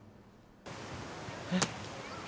えっ